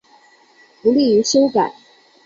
不利于修改